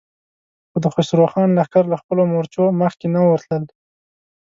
خو د خسرو خان لښکر له خپلو مورچو مخکې نه ورتلل.